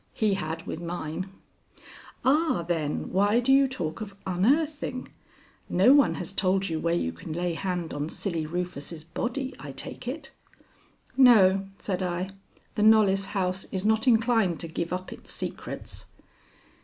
He had with mine. "Ah, then, why do you talk of unearthing? No one has told you where you can lay hand on Silly Rufus' body, I take it." "No," said I. "The Knollys house is not inclined to give up its secrets."